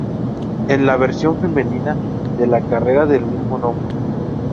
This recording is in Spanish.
En la versión femenina de la carrera del mismo nombre.